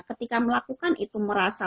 ketika melakukan itu merasa